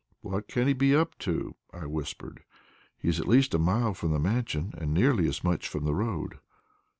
"What can he be up to?" I whispered. "He is at least a mile from the Mansion, and nearly as much from the road."